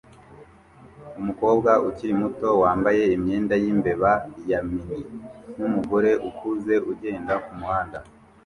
Umukobwa ukiri muto wambaye imyenda yimbeba ya Minnie numugore ukuze ugenda kumuhanda